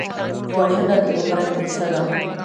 وژنه د عبرت کیسه ده